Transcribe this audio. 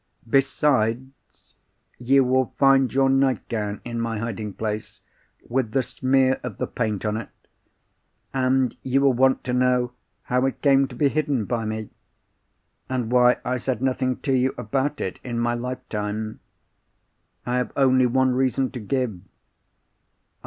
"Besides, you will find your nightgown in my hiding place, with the smear of the paint on it; and you will want to know how it came to be hidden by me? and why I said nothing to you about it in my life time? I have only one reason to give.